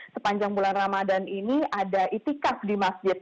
sepanjang bulan ramadan ini ada itikaf di masjid